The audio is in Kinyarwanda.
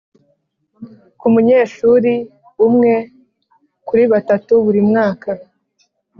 ku munyeshuli umwe kuri batatu buri mwaka,